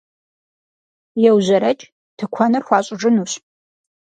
Еужьэрэкӏ, тыкуэныр хуащӏыжынущ!